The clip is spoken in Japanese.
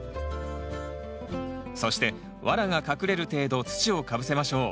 そしてワラが隠れる程度土をかぶせましょう。